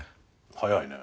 早いね。